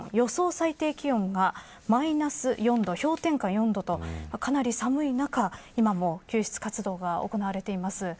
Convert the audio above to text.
最低気温がマイナス４度、氷点下４度とかなり寒い中、今も救出活動が行われています。